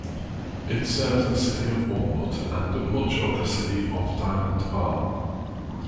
It serves the city of Walnut and much of the city of Diamond Bar.